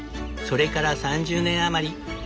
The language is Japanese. それから３０年余り。